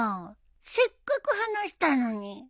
せっかく話したのに。